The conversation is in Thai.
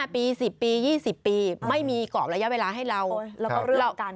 ๕ปี๑๐ปี๒๐ปีไม่มีกรอบระยะเวลาให้เรา